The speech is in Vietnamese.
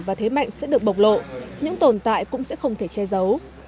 và thế mạnh sẽ được bộc lộ những tồn tại cũng sẽ không thể che giấu